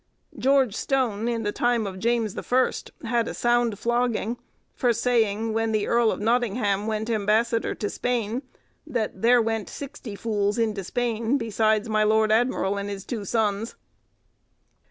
George Stone, in the time of James the First, had a sound flogging for saying, when the Earl of Nottingham went ambassador to Spain, that there went sixty fools into Spain, besides my lord admiral and his two sons.